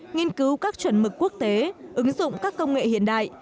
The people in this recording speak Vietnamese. nghiên cứu các chuẩn mực quốc tế ứng dụng các công nghệ hiện đại